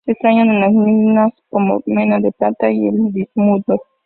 Se extrae en las minas como mena de la plata y el bismuto.